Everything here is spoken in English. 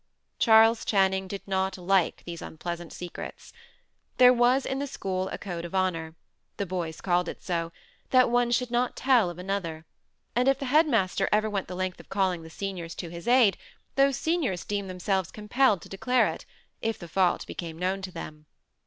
Charles Channing did not like these unpleasant secrets. There was in the school a code of honour the boys called it so that one should not tell of another; and if the head master ever went the length of calling the seniors to his aid, those seniors deemed themselves compelled to declare it, if the fault became known to them.